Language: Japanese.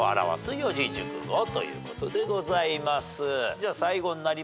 じゃ最後になりますかね